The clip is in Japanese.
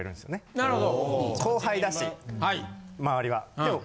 なるほど。